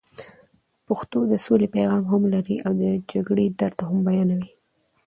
پښتو د سولې پیغام هم لري او د جګړې درد هم بیانوي.